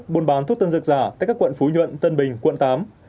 buôn bán thuốc tân dược giả tại các quận phú nhuận tân bình quận tám